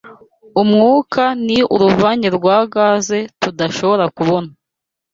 Umwuka ni uruvange rwa gaze tudashobora kubona.